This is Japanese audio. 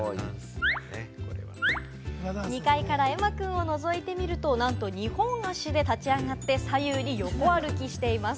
２階からエマくんをのぞいてみると、なんと２本足で立ち上がって、左右に横歩きしています。